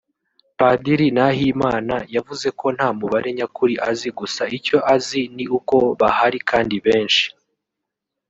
Padiri Nahimana yavuze ko nta mubare nyakuri azi gusa icyo azi ni uko bahari kandi benshi